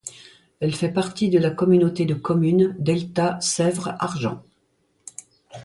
Elle fait partie de la communauté de communes Delta-Sèvre-Argent.